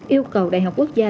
yêu cầu đại học quốc gia